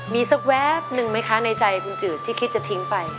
มีสักแวบหนึ่งไหมคะในใจคุณจืดที่คิดจะทิ้งไป